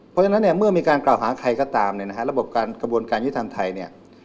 เพราะฉะนั้นเมื่อมีการกล่าวหาใครก็ตามระบบกระบวนการยืดทางไทย